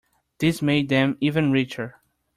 This made them even richer.